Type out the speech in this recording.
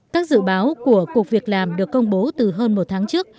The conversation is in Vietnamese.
các dự báo của cục việc làm được công bố từ hơn một tháng trước